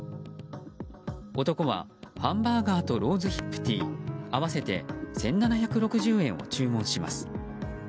男はハンバーガーとローズヒップティー合わせて１７６０円を注文します。